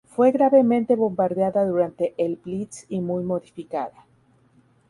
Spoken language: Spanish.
Fue gravemente bombardeada durante El Blitz y muy modificada.